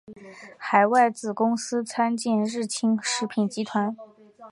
海外子公司参见日清食品集团。